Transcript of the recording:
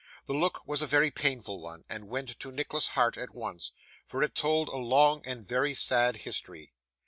The look was a very painful one, and went to Nicholas's heart at once; for it told a long and very sad history.